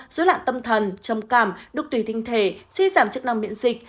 dối loạn tâm thần trầm cảm đục tùy tinh thể suy giảm chức năng miễn dịch